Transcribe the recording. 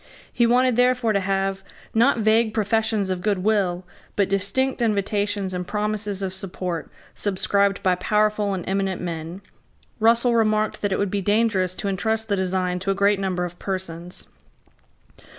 He wanted therefore to have, not vague professions of good will, but distinct invitations and promises of support subscribed by powerful and eminent men. Russell remarked that it would be dangerous to entrust the design to a great number of persons.